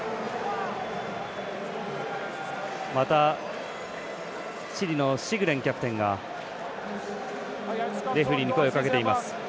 またチリのシグレンキャプテンがレフリーに声をかけています。